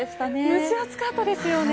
蒸し暑かったですよね。